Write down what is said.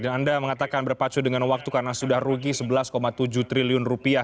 dan anda mengatakan berpacu dengan waktu karena sudah rugi rp sebelas tujuh triliun